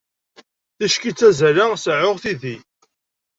Ticki ttazzaleɣ, seɛɛuɣ tidi.